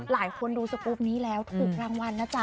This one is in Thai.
หลายคนดูสกรูปนี้แล้วถูกรางวัลนะจ๊